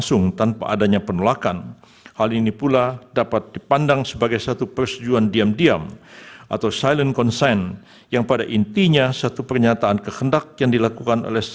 sekian dan terima kasih